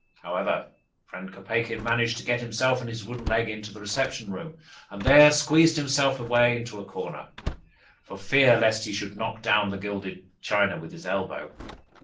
However, friend Kopeikin managed to get himself and his wooden leg into the reception room, and there squeezed himself away into a corner, for fear lest he should knock down the gilded china with his elbow.